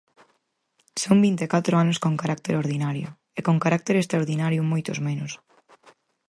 Son vinte e catro anos con carácter ordinario, e con carácter extraordinario moitos menos.